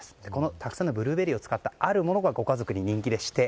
たくさんのブルーベリーを使ったあるものがご家族に人気でして。